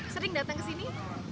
sering datang ke sini